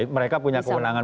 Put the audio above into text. mereka punya kewenangan